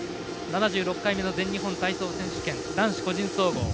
７６回目の全日本体操選手権男子個人総合。